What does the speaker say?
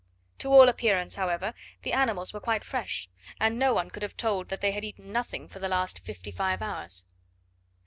To all appearance, however, the animals were quite fresh; and no one could have told that they had eaten nothing for the last fifty five hours.